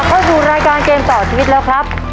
เข้าสู่รายการเกมต่อชีวิตแล้วครับ